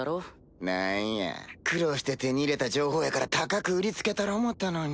何や苦労して手に入れた情報やから高く売りつけたろ思たのに。